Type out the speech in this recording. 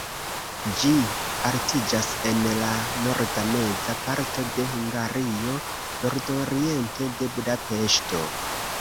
Ĝi altiĝas en la norda-meza parto de Hungario, nordoriente de Budapeŝto.